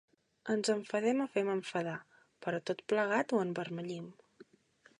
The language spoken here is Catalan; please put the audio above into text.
Ens enfadem o fem enfadar, però tot plegat ho envermellim.